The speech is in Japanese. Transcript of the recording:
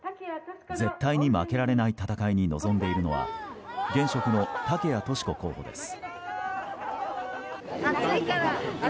絶対に負けられない戦いに臨んでいるのは現職の竹谷とし子候補です。